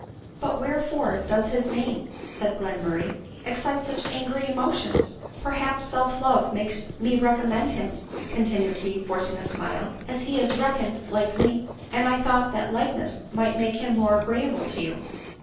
" But wherefore does his name," said Glenmurray, " excite such angry emotion ? Perhaps self love makes me recommend him," continued he, forcing a smile, " as he is reckoned like me, and I thought that likeness might make him more agreeable to you."